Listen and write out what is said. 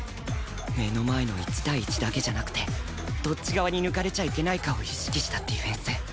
目の前の１対１だけじゃなくてどっち側に抜かれちゃいけないかを意識したディフェンス